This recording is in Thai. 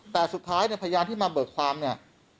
แต่สุดท้ายเนี่ยพยานที่มาเบิกความเนี่ย